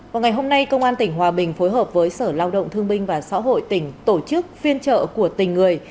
vào ngày hôm nay công an tỉnh hòa bình phối hợp với sở lao động thương binh và xã hội tỉnh tổ chức phiên trợ của tình người